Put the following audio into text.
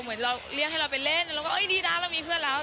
เหมือนเราเรียกให้เราไปเล่นเราก็เอ้ยดีนะเรามีเพื่อนแล้ว